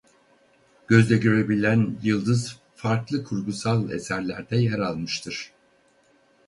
Gözle görülebilen yıldız farklı kurgusal eserlerde yer almıştır.